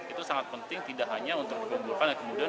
itu sangat penting tidak hanya untuk dikumpulkan dan kemudian